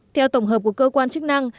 theo tổng hợp của cơ quan chức năng